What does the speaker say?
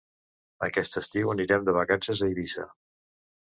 Aquest estiu anirem de vacances a Eivissa.